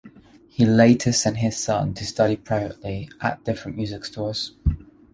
He later sent his son to study privately at different music stores.